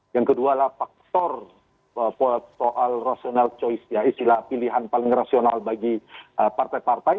yang kedua adalah faktor soal rasional choice ya istilah pilihan paling rasional bagi partai partai